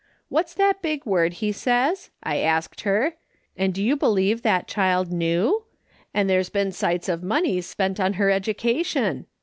' What's that big word he says V I asked her, and do you be lieve that child knew ? and there's been sights of money spent on her education.